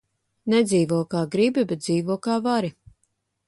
Nedzīvo, kā gribi, bet dzīvo, kā vari.